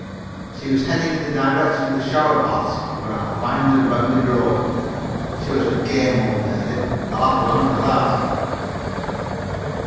She was heading in the direction of the shower baths when I finally rounded her up. She was a game old lady. I'll have to hand her that.